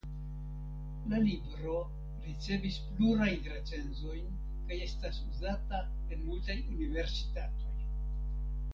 La libro ricevis plurajn recenzojn kaj estas uzata en multaj universitatoj.